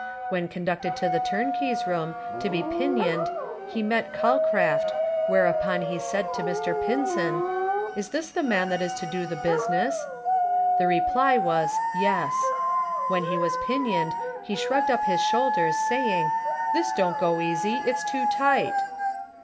When conducted to the turnkey's room to be pinioned he met Calcraft, whereupon he said to Mr Pinson "Is this the man that is to do the business?" The reply was "Yes." When he was pinioned he shrugged up his shoulders, saying "This don't go easy; it's too tight."